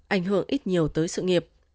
ảnh hưởng ít nhiều tới sự nghiệp